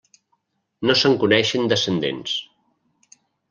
No se'n coneixen descendents.